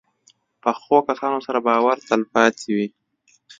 پخو کسانو سره باور تل پاتې وي